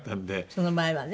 その前はね。